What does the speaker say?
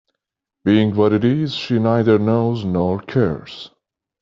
Being what it is, she neither knows nor cares.